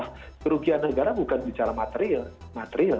karena rugian negara bukan bicara material